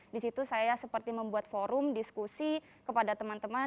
disitu saya seperti membuat forum diskusi kepada teman teman